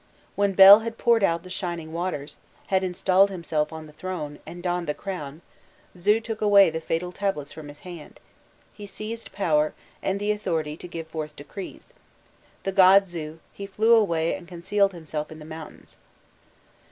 When Bel had poured out the shining waters, had installed himself on the throne, and donned the crown, Zu took away the fatal tablets from his hand, he seized power, and the authority to give forth decrees, the god Zu, he flew away and concealed himself in the mountains."